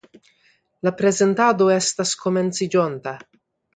La prezentado estas komenciĝonta.